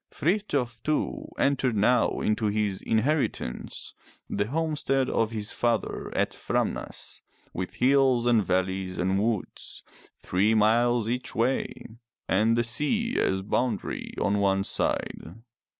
Frith j of too, entered now into his inheritance — the home stead of his father at Framnas, with hills and valleys and woods, three miles each way, and the sea as boundary on one side.